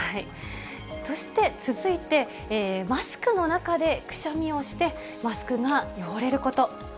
そして続いて、マスクの中でくしゃみをして、マスクが汚れること。